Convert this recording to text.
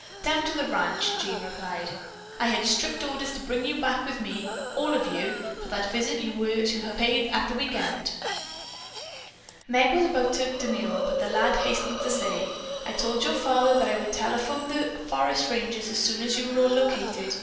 "Down to the ranch," Jean replied. "I had strict orders to bring you back with me, all of you, for that visit that you were to have paid at the weekend." Meg was about to demur, but the lad hastened to say: "I told your father that I would telephone the forest ranger as soon as you all were located.